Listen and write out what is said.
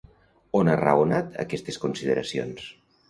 On ha raonat aquestes consideracions?